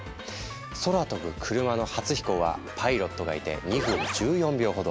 空飛ぶ車の初飛行はパイロットがいて２分１４秒ほど。